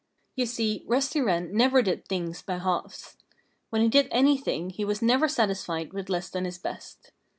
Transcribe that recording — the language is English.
You see, Rusty Wren never did things by halves. When he did anything he was never satisfied with less than his best.